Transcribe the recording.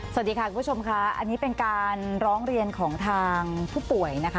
สวัสดีค่ะคุณผู้ชมค่ะอันนี้เป็นการร้องเรียนของทางผู้ป่วยนะคะ